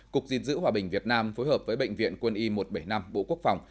cục diện giữ hòa bình việt nam phối hợp với bệnh viện quân y một trăm bảy mươi năm bộ quốc phòng